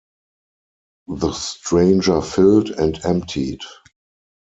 The stranger filled, and emptied.